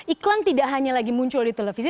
iklan tidak hanya lagi muncul di televisi